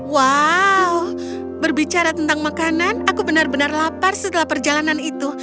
wow berbicara tentang makanan aku benar benar lapar setelah perjalanan itu